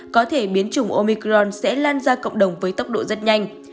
có thể biến chủng omicron sẽ lan ra cộng đồng với tốc độ rất nhanh